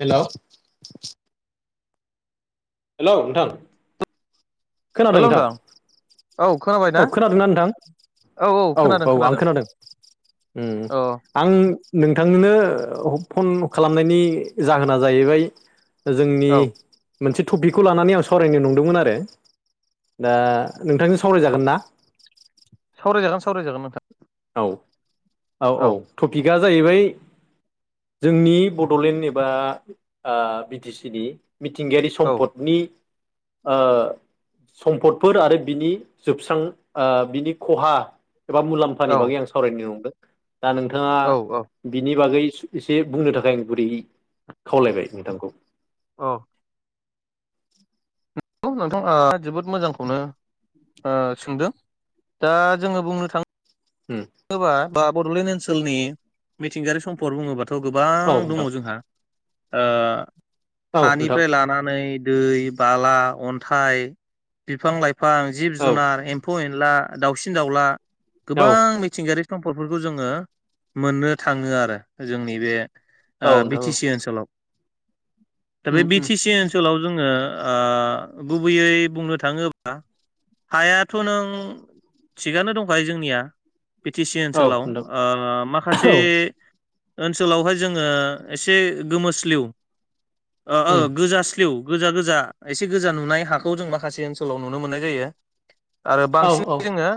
हेल' hello नोंथां खोनादों नोंथां औ खोनाबाय ना औ खोनादोंना नोंथां औ औ आं खोनादों। उम औ आं नोंथांनोनो फन खालामनायनि जाहोना जाहैबाय जोंनि औ मोनसे टपिकखौ लानानै आं सावरायनो नंदोंमोन आरो दा नोंथांजों सावरायजागोनना सावराय जागोन सावराय जागोन नोंथां। औ औ औ टपिका जाहैबाय जोंनि बड'लेण्ड एबा बि टि सि नि मिथिंगायारि औ औ सम्पदनि ओ सम्फदफोर आरो बिनि जोबस्रां ओ बिनि खहा एबा मुलाम फानि बागै आं औ सावरायनो नंदों दा नोंथाङा औ औ बिनि बागै इस एसे बुंनो थाखाय आं गुरैयै खावलायबाय नोंथांखौ अ नंगौ नोंथां ओ जोबोद मोजांखौनो ओ सोंदों दा जोङो बुंनो थाङो ओम बा बा बड'लेण्ड ओनसोलनि मिथिंगायारि सम्पद बुङोबाथ' गोबां औ दङ नोंथां जोंहा ओ औ नोंथां हानिफ्राय लानानै दै बाला अन्थाइ बिफां लाइफां जिब औ जुनार एम एम्फौ एनला दाउसिन दाउला औ गोबां मि थिंगायारि सम्पदफोरखौ जोङो मोननो थाङो आरो जोंनि बे आ औ बि नोंथां टि औ सि ओनसोलाव दा बे उम बि उम टि सि ओनसोलाव जोङो ओ गुबैयै बुंनो थाङोब्ला हायाथ' नों थिगानो दंखायो जोंनिया बि टि सि औ ओनसोलाव नोंथां ओ माखासे औ ओनसोलावहाय जोङो एसे गोमोस्लिउ ओ उम गोजास्ल स्लिउ गोजा गोजा एसे गोजा नुनाय हाखौ जों माखासे ओनसोलाव नुनो मोननाय जायो। आरो औ औ बांसिनै जोङो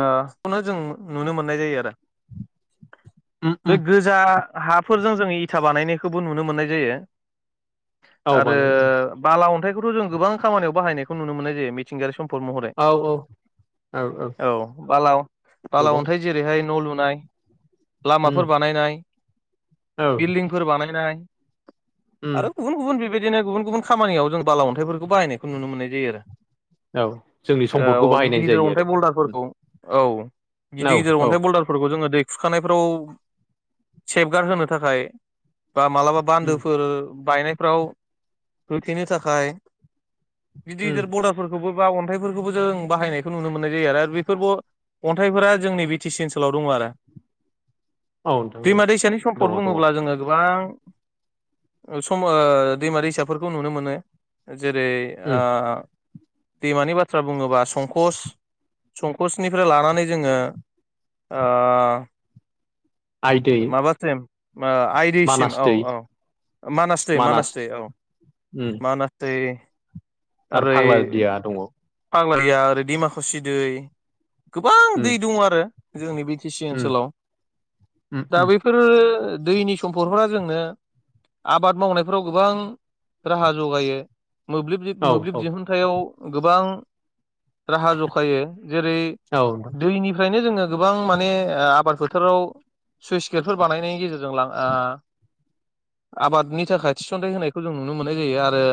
खौनो जों नुनो मोननाय जायो आरो उम बे उम गोज जा हाफोरजों जोङो इथा बानायनायखौबो नुनो मोननाय जायो। औ आरो बानायो बाला अन्थाइखौथ' जों गोबां खामानियाव बाहायनायखौ नुनो मोननाय जायो। मिथिंगारि सम्पद महरै औ औ औ बाला बाला गोबां अन्थाइ जेरैहाय न' लुनाय उम लामाफोर बानायनाय औ बिल्डिंफोर बानायनाय उम आरो गुबु बुन बेबायदिनो गुबुन गुबुन खामानियाव जों बाला अन्थाइफोरखौ बाहायनायखौ नुनो मोननाय जायो आरो। औ जोंनि सम्पदखौ औ बाहायनाय गिदिर गिदिर जायो आरो अन्थाइ बल्दारफोरखौ औ उम औ गिदिर गिदिर औ अन्थाइ बल्दार फोरखौ जोङो दैखुरखानायफ्राव सेफगार्ड होनो थाखाय बा मालाबा उम बान्दोफोर बायनायफ्राव होथेनो थाखाय गिदिर उम गिदिर बरदारफोरखौबो बा अन्थाइफोरखौबो जों बाहायनायखौ नुनो मोननाय जायो आरो बेफोरबो अन्थाइफोरा जोंनि बि टि सि ओनसोलाव दङ आरो औ नोंथां औ दैमा दैसानि दङ सम्पद दङ बुङोब्ला जोङो गोबां समो ओ दैमा दैसाफोरखौ नुनो मोनो जेरै उम ओ दैमानि बाथ्रा बुङोबा संकस संकस निफ्राय लानानै जोङो ओ आइ दै माबा सेम ओ आय दिसिम मानास औ दै औ मानास दै मानास दै औ उम मानास दै आरो ओरै फाग्ला दिया दङ फाग्लादिया ओरै दिमकुसि दै गोबां उम दै दङ आरो जोंनि बि टि सि उम ओनसोलाव उम दा उम बेफोर बेफोरो दैनि सम्फदफोरा जोंनो आबाद मावनायफ्राव गोबां राहा जगायो। मोब्लिब औ औ मोब्लिब दिहुनथायाव गोबां राहा जखायो जेरै औ दैनिफ्रायनो जोङो गोबां माने ओ आबाद फोथाराव सुइस गेटफोर बानायनायनि गेजेरजों लां ओ आबादनि थाखाय थिसनथाइ होनायखौ जों नुनो मोननाय जायो आरो।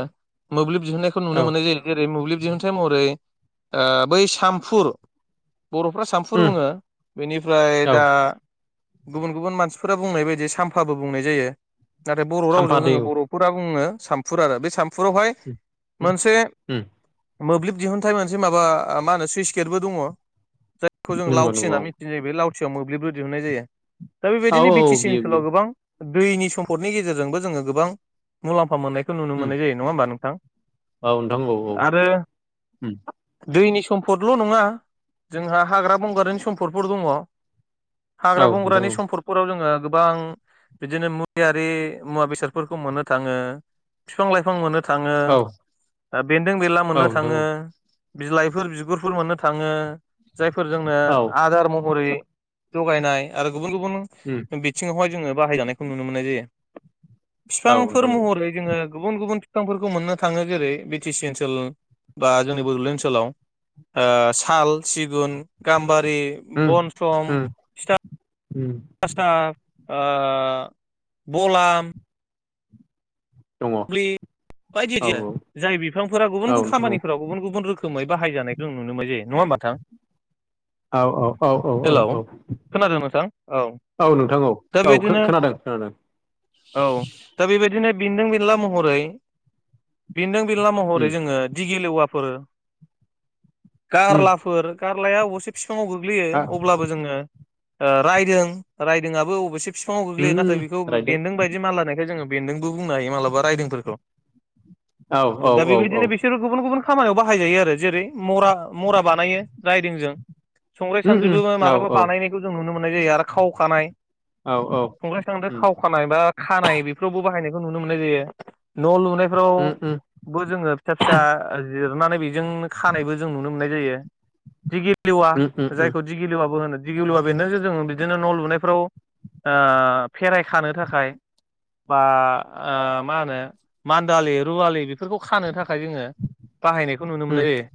मोब्लिब दिहुनन्नायखौ औ नुनो मोननाय जायो जेरै मोब्लिब दिहुनथाइ महरै ओ बै सामफुर बर'फ्रा सामफुर उम बुङो बेनिफ्राय औ दा गुबुन गुबुन मानसिफोरा बुंनाय बायदि सामफाबो बुंनाय जायो नाथाय बर' रावजों साम्फा दै जोङो औ बर' सामफुरा बुङो सामफुर आरो बे सामफुरावहाय ओम मोनसे ओम मोब्लिब दिहुनथाइ मोनसे माबा मा होनो सुइस गेटबो दङ जायखौ जों नंगौ लावथि नंगौ होनना मिथि जे बे लावथियाव मोब्लिबबो दिहुननाय जायो दा औ बेबायदिनो औ बि टि सि बियो बियो ओनसोलाव गोबां दैनि समपदनि गेजेरजोंबो जोङो गोबां मुलामफा मोननायखौ नुनो उम मोननाय जायो नङा होमबा नोंथां? औ नोंथां औ औ आरो उम दैनि समफदल' नङा जोंहा हाग्रा बंग्रानि समपदफोर दङ। औ हाग्रा नोंथां बंग्रानि औ समपद फोराव जोङो गोबां बिदिनो मुुलियारि मुवा बेसादफोरखौ मोननो थाङो बिफां लाइफां मोननो थाङो औ ओ बेनदों बेनला औ मोननो नोंथां थाङो बिलाइफोर बिगुरफोर मोननो थाङो जायफोर जोंनो औ औ आदार महरै जगायनाय आरो गुबुन उम गुबुन बिथिङावहाय जोङो बाहायजानायखौ नुनो मोननाय जायो। औ बिफांफोर नोंथां औ महरै जोङो गुबुन गुबुन बिफांफोरखौ मोननो थाङो जेरै बि टि सि ओनसोल बा जोंनि बड'लेण्ड ओनसोलाव ओ‌ साल सिगुन गाम्बारि ओम बनसम ओम थिथा ओम [unintelligible] ओ बलाम दङ औ ख्लि बायदि औ बायदि आरो जाय बिफांफोरा गुबुन औ गुबुन नोंथां औ खामानिफोराव गुबुन गुब रोखोम खोमै बाहाय जानायखौ नों नुनो मोनाय जायो नङा होमबा थां? औ औ औ औ औ औ खोनादों नोंथां औ नोंथां औ दा औ बेदिनो खोनादों खोनादों। औ दा बेबायदिनो बेनदों बेनला महरै बेनदों बेनला उम महरै जोङो दिगि लेवाफोर उम गारलाफोर गारलाया अबयसे बिफाङाव गोग्लैयो आ अब्लाबो जोङो ओ रायदों रायदोंयाबो अबयसे बिफाङाव गोग्लैयो नाथाय उम बेखौ रायदों बेनदों बायदि मानलानायखाय जोङो बेनदोंबो बुंनो हायो मालाबा रायदोंफोरखौ औ दा औ औ बेबायदिनो बिसोर गुबुन गुबुन खामानियाव बाहायजायो आरो जेरै मरा मरा बानायो राइदोंजों संग्राय उम उम सानद्रिबो औ मालाबा औ बानायनाय जों नुनो मोननाय जायो आरो खाव खानाय औ औ संग्राय सानद्रि उम खाव खानाय बा खानाय बेफोरावबो बाहायनायखौ नुनो मोननाय जायो न' लुनायफ्राव उम उम बो जोङो फिसा फिसा जिरनानै बेजोंनो खानायबो जों नुनो मोननाय जायो दिगि गिवा उम उम उम जायखौ दिगिलिवाबो होनो दिगिलुवा बेनदोंजों जोङो बिदिनो न' लुनायफ्राव ओ फेराय खानो थाखाय बा ओ मा होनो मानदालि रुवालि बेफोरखौ खानो थाखाय जोङो बाहायनायखौ नुनो उम मोननाय जायो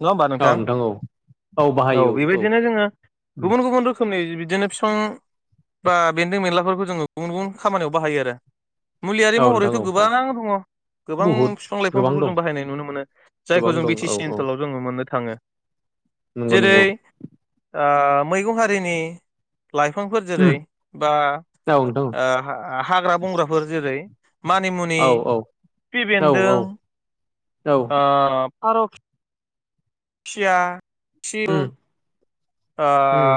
नङा होमबा औ नोंथां औ औ बेबायदिनो जोङो उम गुबुन गुबुन रोखोमनि बिदिनो फिफां बा बेनदों बेनलाफोरखौ जोङो गुबुन गुबुन खामानियाव बाहायो आरो मुलि औ नोंथां महरैथ' औ गोबां औ दङ गोबां बुहुद बिफां गोबां लाइफांफोरखौ दं जों बाहायनाय नुनो मोनो जायखौ गोबां जों दं बि टि औ सि औ ओनसोलाव जोङो मोननो थाङो नंगौ जेरै नंगौ ओ मैगं हारिनि लाइफांफोर जेरै उम बा औ नोंथां ओ हाग्रा बंग्राफोर जेरै मानिमुनि औ खिफि औ बेन्दों औ फार' सिया सिुब्रु उम ओ उम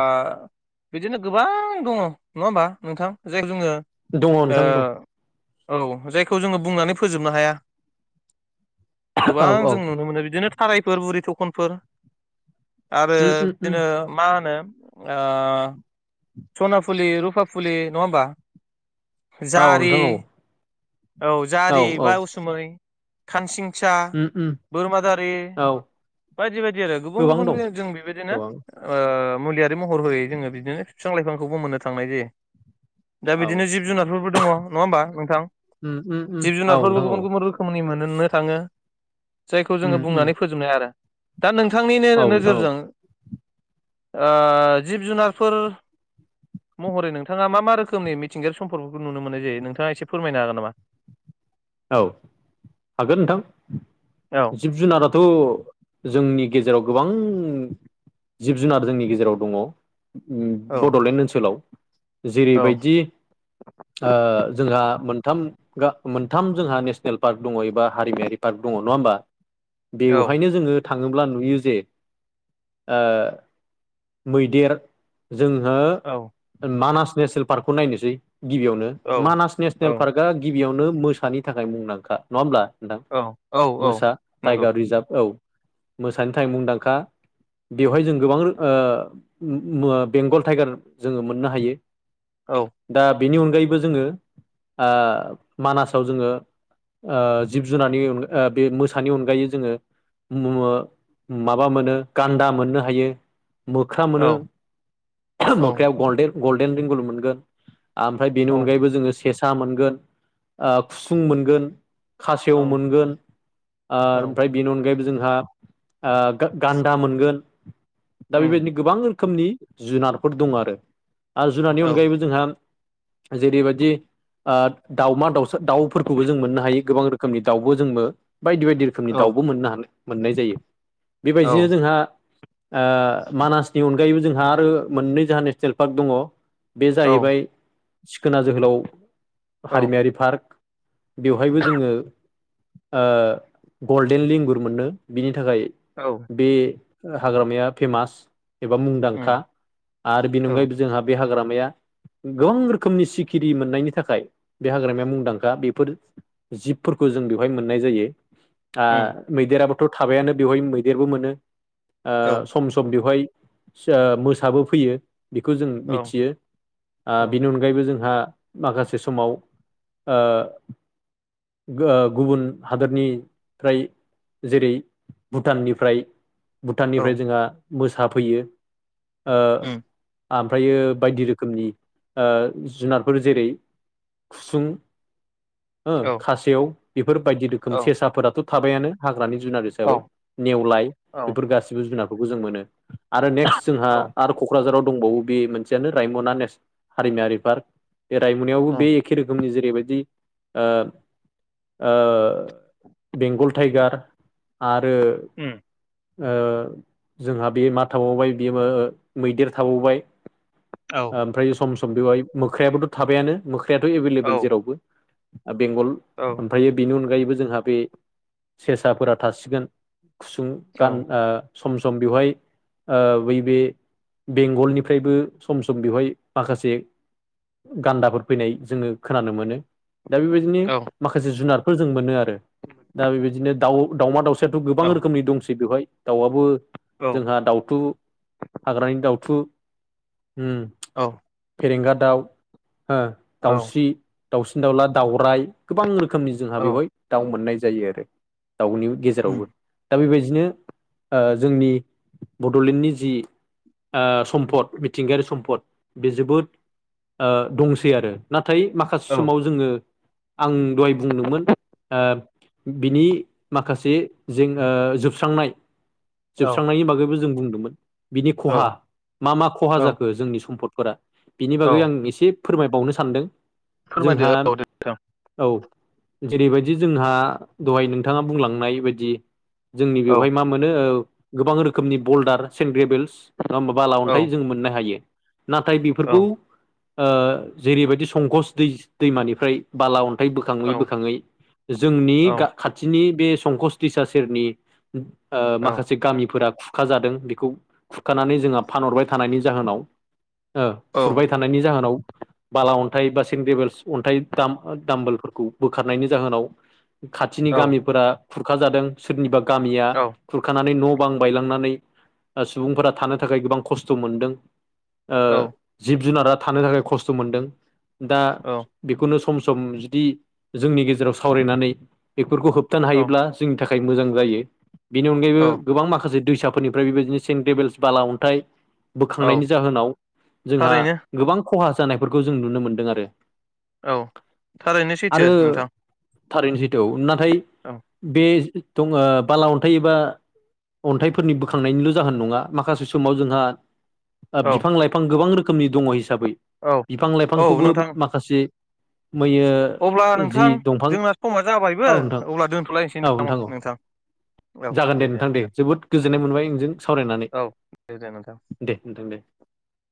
बिदिनो गोबां दङ नङा ओमबा नोंथां जायखौ जोङो दङ ओ नोंथां दं औ जायखौ जोङो बुंनानै फोजोबनो हाया औ गोबां औ जों नुनो मोनो बिदिनो थाराइफोर बुरि थखनफोर आरो उम उम उम बिदिनो मा होनो ओ सना फुलि रुपा फुलि नङा ओमबा औ जारि नोंथां औ औ जारि बा उसुमै खानसिंसा उम उम बोरमादारि औ बायदि बायदि आरो गुबुन गोबां गुबुन दं जों बेबायदिनो गोबां ओ मुलियारि महर होयै जोङो बिदिनो बिफां लाइफांखौबो मोननो थांनाय जायो दा औ बिदिनो जिब जुनारफोरबो दङ नङा ओमबा नोंथां उम उम उम जिब औ जुनारफोरबो नोंथां औ गुबुन गुबुन रो खामानि मोननोनो थाङो जायखौ उम जोङो उम बुंनानै फोजोबनो हाया आरो दा नोंथांनिनो औ नोंथां औ नोजोरजों ओ जिब जुनारफोर महरै नोंथाङा मा मा रोखोमनि मिथिंयारि सम्पफोरखौ नुनो मोननाय जायो नोंथाङा एसे फोरमायनो हागोन नामा औ हागोन नोंथां औ जिब जुनाराथ' जोंनि गेजेराव गोबां जिब जुनार जोंनि गेजेराव दङ उम औ बड'लेण्ड ओनसोलाव औ जेरैबायदि ओ जोंहा मोनथाम गा मोन थाम जोंहा नेसनेल पार्क दङ एबा हारिमायारि पार्क दङ नङा ओमबा बेवहायनो जोङो थाङोब्ला नुयो जे ओ मैदेर जोंहो औ मानास नेसनेल पार्कखौ नायनोसै गिबियावनो औ मानास नेसनेल पार्क का गिबियावनो मोसानि थाखाय मुंदांखा नङा होमब्ला नोंथां औ औ औ मोसा नंगौ टाइगार रिजार्भ औ मोसानि थाखाय मुंदांखा बेवहाय जों गोबां ओ बेंगल टाइगार जोङो मोननो हायो औ दा बेनि अनगायैबो जोङो ओ मानासाव जोङो ओ जिब जुनारनि बे मोसानि अनगायै जोङो माबा मोनो गान्दा मोननो हायो मोख्रा औ मोनो मोख्रायाव गल्डेन गल्डेन बेंगल मोनगोन आमफ्राय बेनि औ अनगायैबो जोङो सेसा मोनगोन ओ खुसुं मोनगोन खासेव औ मोनगोन आरो औ ओ ओमफ्राय बेनि अनगायैबो जोंहा ओ गान्दा मोनगोन दा उम बेबायदिनो गोबां रोखोमनि जुनारफोर दं आरो आरो जुनारनि औ अनगायैबो जोंहा जेरैबायदि दाउमा दाउ दाउफोरखौबो जों मोननो हायो गोबां रोखोमनि दाउबो जोंबो बायदि बायदि रोखोमनि औ दाउबो मोननो हानाय मोननाय जायो औ बेबायदिनो जोंहा ओ मानासनि अन अनगायैबो जोंहा आरो मोननै जोंहा नेसनेल पार्क दङ बे औ जाहैबाय सिखोना जोहोलाव औ हारिमायारि पार्क बेवहायबो जोङो ओ गल्डेन लेंगुर मोनो बिनि थाखाय औ बे हाग्रामाया फेमास एबा मुंदांखा उम आरो बेनि औ अनगायैबो जोंहा बे हाग्रामाया गोबां रोखोमनि सिखिरि मोननायनि थाखाय बे हाग्रामाया मुंदां खा बेफोर जिबफोरखौ जों बेवहाय मोननाय जायो उम मैदेराबोथ थाबायानो बेवहाय मैदेरबो मोनो ओ औ सम सम बेवहाय ओ मोसाबो फैयो बेखौ जों औ मिथियो ओ औ बिनि अन गायैबो जोंहा माखासे समाव ओ ओ गुबुन हादोरनिफ्राय जेरै भुटाननिफ्राय औ भुटाननिफ्राय जोंहा मोसा फैयो ओ उम ओमफ्रायो बायदि रोखोमनि ओ जुनारफोर जेरै खुसुं हो औ खासेव बेफोर बायदि रोखोम औ सेसाफोराथ थाबायानो हाग्रानि जुनार औ हिसाबै नेवलाय उम बेफोर गासैबो जुनारफोरखौ जों मोनो आरो नेक्स जोंहा उम औ आरो कक क्राझाराव दंबावो बे मोनसेयानो रायमना नेस हारिमायारि पार्क बे रायमनायावबो औ बे एखे रोखोमनि जेरैबायदि ओ बेंगल टाइगार आरो उम ओ जोंहा बे मा थाबावबाय बे ओ मैदेर थाबावबाय औ ओमफ्राय सम सम बेवहाय मोख्रायाबोथ थाबायानो मोख्रायाथ एभेलेबेल जेरावबो बेंगल औ ओमफायो बेनि अनगायैबो जोंहा बे सेसाफोरा थासिगोन खुसुं औ गान ओ सम सम बेवहाय ओ बैबे बेंगलनिफ्रायबो सम सम बेवहाय माखासे गान्दाफोर फैनाय जोङो खोनानो मोनो दा बेबायदिनो औ माखासे जुनारफोर जों मोनो आरो दा बेबायदिनो दाउ दाउमा दाउसा याथ गोबां औ रोखोमनि दंसै बेवहाय दाउआबो जोंहा दाउथु हाग्रानि दाउथु उम औ फेरेंगा दाउ हो औ दाउस्रि दावला दाउराइ गोबां रोखोमनि जोंहा बेवहाय दाउ मोननाय जायो आरो दाउनि गेजेरावबो दा बेबायदिनो ओ जोंनि बड'लेण्डनि जि ओ सम्पद मिथिंगायारि सम्पद बे जोबोद ओ दंसै आरो नाथाय माखा औ समाव जोङो आं दहाय बुंदोंमोन ओ बिनि माखासे जें ओ जोबस्रांनाय जोबस्रांनायनि बागैबो जों बुंदोंमोन बिनि खहा औ मा मा खहा औ जाखो जोंनि सम्पद फोरा बिनि बागै औ आं एसे फोरमायबावनो सानदों फोरमायदो जोंहा औ दे नोंथां औ जेरैबायदि जोंहा दहाय नोंथाङा बुंलांनाय बायदि जोंनि औ बेवहाय मा मोनो गोबां रोखोमनि बल्डार सेन्ट ग्रेभेल्स नङा होमा बाला औ अन्थाइ जों मोननो हायो नाथाय औ बेफोरखौ ओ जेरैबायदि संकस दै दैमानिफ्राय बाला अन्थाइ औ बोखाङै बोखाङै जोंनि गा खाथिनि बे संकस दैसा सेरनि ओ औ माखासे गामिफोरा खु रखाजादों बेखौ खुरखानानै जोंहा फानहरबाय थानायनि जाहोनाव ओ खुरबाय थानायनि जाहोनाव बाला अन्थाइ बा सेंग्रेबेल्स अन्थाइ दाम दामबोलफोरखौ बोखारनायनि जाहोनाव खाथिनि गामिफोरा खुरखाजादों सोरनिबा गामिया खुरखानानै न' गोबां बायलांनानै सुबुंफोरा थानो थाखाय गोबां खस्थ' मोनदों ओ जिब जुनारा थानो थाखाय खस्थ' मोनदों दा औ बेखौनो सम सम जुदि जोंनि गेजेराव सावरायनानै बेफोरखौ होब थानो हायोब्ला जोंनि थाखाय मोजां जायो बेनि अनगायैबो औ गोबां माखासे दैसा फोरनिफ्राय बेबायदिनो सेन् टेबोल्स बाला अन्थाइ औ बोखांनायनि जाहोनाव जोंहा थारैनो गोबां खहा जानायफोरखौ जों नुनो मोनदों आरो औ थारैनो सैथो आरो नोंथां थारैनो सैथो नाथाय औ बे दङ बाला अन्थाइ एबा अन्थाइफोरनि बोखांनायनिल' जाहोन नङा माखासे समाव जोंहा ओ औ बिफां लाइफां गोबां रोखोमनि दङ हिसाबै औ बिफां औ लाइफांखौबो नोंथां माखासे अब्ला मैयो जि नोंथां दंफां जोंना समा जाबायबो औ नोंथां अब्ला दोनथ'लायनोसै औ नोंथां औ जागोन दे नोंथां दे जोबोद गोजोननाय मोनबाय नोंजों सावरायनानै औ औ दे जागोन नोंथां दे नोंथां दे